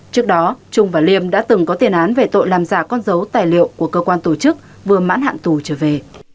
trước đó trung và liêm đã từng có tiền án về tội làm giả con dấu tài liệu của cơ quan tổ chức vừa mãn hạn tù trở về